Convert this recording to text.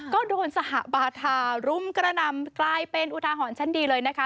ก็โดนสหบาทารุมกระหน่ำกลายเป็นอุทาหรณ์ชั้นดีเลยนะคะ